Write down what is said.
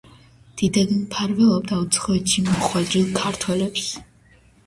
დიდად მფარველობდა უცხოეთში მოხვედრილ ქართველებს.